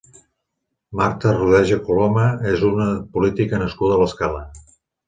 Marta Rodeja Coloma és una política nascuda a l'Escala.